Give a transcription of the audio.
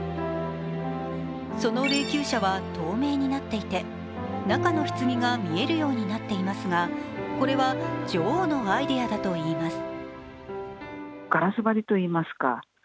その霊きゅう車は透明になっていて中のひつぎが見えるようになっていますが、これは女王のアイデアだといいます。